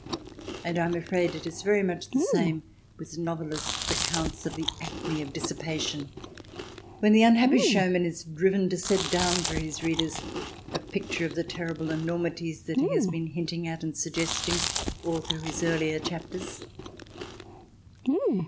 And I am afraid it is very much the same with novelists' accounts of the acme of dissipation, when the unhappy showman is driven to set down for his readers a picture of the terrible enormities that he has been hinting at and suggesting all through his earlier chapters.